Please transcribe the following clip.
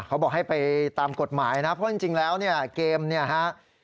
เขาบอกให้ไปตามกฎหมายนะเพราะจริงแล้วเนี่ยเกมเนี่ยฮะ